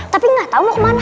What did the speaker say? tapi nggak tahu mau ke mana